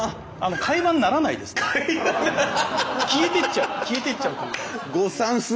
消えてっちゃう消えてっちゃうというか。